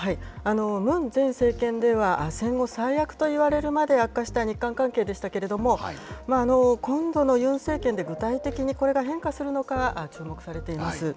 ムン前政権では、戦後最悪といわれるまで悪化した日韓関係でしたけれども、今度のユン政権で、具体的にこれが変化するのか注目されています。